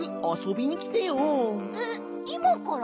えっいまから？